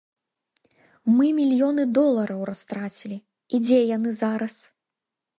Мы мільёны долараў растрацілі, і дзе яны зараз?